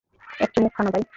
এক চুমুক খা না ভাই!